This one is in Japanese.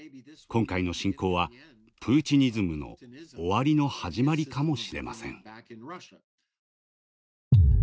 今回の侵攻はプーチニズムの終わりの始まりかもしれません。